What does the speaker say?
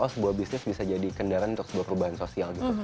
sebuah bisnis bisa jadi kendaraan untuk perubahan sosial